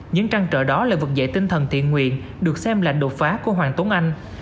những trăn trở đó là vực dậy tinh thần thiện nguyện được xem là đột phá của hoàng tuấn anh